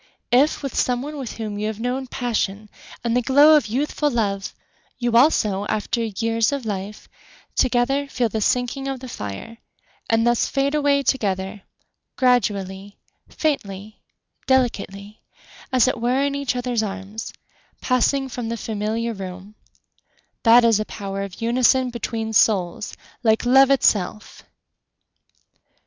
If with some one with whom you have known passion And the glow of youthful love, You also, after years of life Together, feel the sinking of the fire And thus fade away together, Gradually, faintly, delicately, As it were in each other's arms, Passing from the familiar room— That is a power of unison between souls Like love itself!